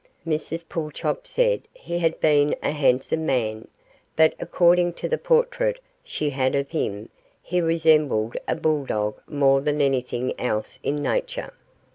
Mrs Pulchop said he had been a handsome man, but according to the portrait she had of him he resembled a bull dog more than anything else in nature.